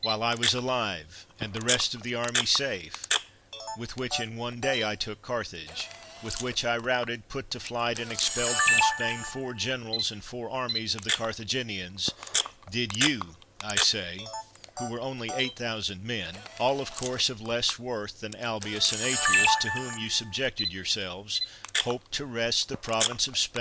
While I was alive, and the rest of the army safe, with which in one day I took Carthage, with which I routed, put to flight, and expelled from Spain four generals and four armies of the Carthaginians ; did you, I say, who were only eight thousand men,^ all of course of less wortii than Albius and Atrius, to whom you subjected yourselves, hope to wrest the province of Spain out of the hands of the Soman people?